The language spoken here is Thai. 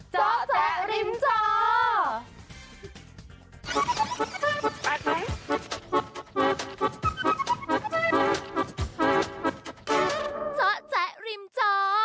เจาะแจ๊ริมจอ